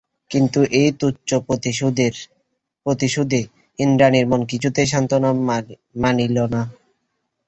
কিন্তু এই তুচ্ছ প্রতিশোধে ইন্দ্রাণীর মন কিছুই সান্ত্বনা মানিল না।